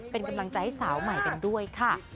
เป็นกำลังใจให้สาวใหม่กันด้วยค่ะ